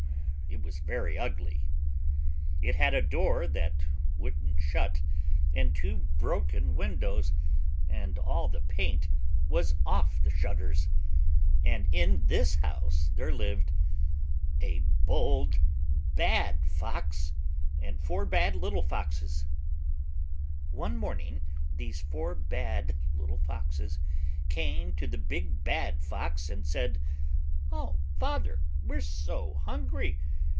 It was very ugly. It had a door that wouldn't shut, and two broken windows, and all the paint was off the shutters[.] And in this house there lived a Bold Bad Fox and Four Bad Little Foxes[.] One morning these four bad little foxes came to the big bad Fox and said: "Oh, Father, we're so hungry!"